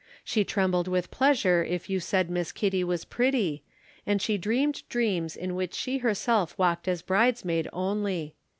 She trembled with pleasure if you said Miss Kitty was pretty, and she dreamed dreams in which she herself walked as bridesmaid only.